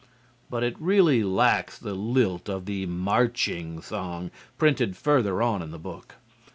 But it really lacks the lilt of the "Marching Song" printed further on in the book.